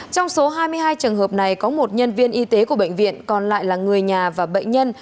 trong số hai mươi hai trường hợp này có một nhân viên y tế của bệnh viện còn lại là người nhà và bệnh nhân